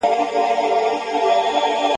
سره غوښه او چاړه سوه ..